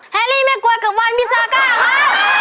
แฮรี่ไม่กลัวเกิดวันพี่ซาก้าครับ